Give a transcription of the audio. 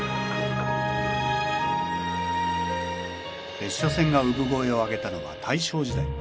別所線が産声を上げたのは大正時代。